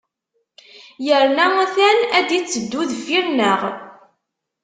Yerna a-t-an ad d-itteddu deffir-nneɣ.